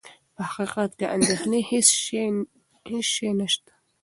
په حقیقت کې د اندېښنې هېڅ شی نه شته.